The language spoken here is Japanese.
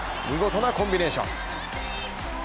見事なコンビネーション。